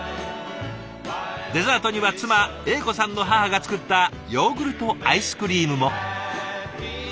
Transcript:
デザートには妻英子さんの母が作ったヨーグルトアイスクリームも。